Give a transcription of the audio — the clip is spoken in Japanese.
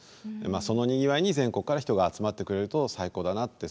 まあその賑わいに全国から人が集まってくれると最高だなって。